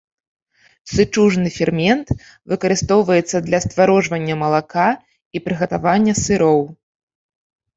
Сычужны фермент выкарыстоўваецца для стварожвання малака і прыгатавання сыроў.